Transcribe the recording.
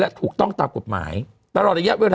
มันติดคุกออกไปออกมาได้สองเดือน